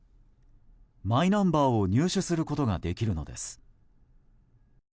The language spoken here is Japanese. マイナンバーを入手することができるのです。